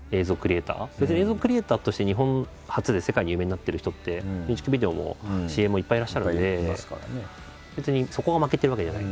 別に映像クリエイターとして日本発で世界に有名になってる人ってミュージックビデオもＣＭもいっぱいいらっしゃるんで別にそこが負けてるわけじゃない。